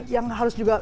yang harus juga